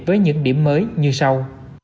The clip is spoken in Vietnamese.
để tìm kiếm mới như sau